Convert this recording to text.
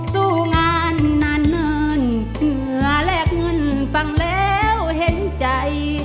สู้งานนานเนินเหงื่อแลกเงินฟังแล้วเห็นใจ